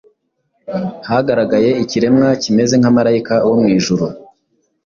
hagaragaye ikiremwa kimeze nka Malayika wo mwijuru